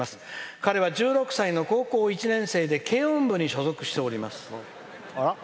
彼は１６歳の高校１年生で軽音部に所属しております。